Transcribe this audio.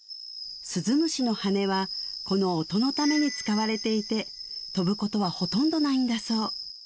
スズムシの羽はこの音のために使われていて飛ぶことはほとんどないんだそう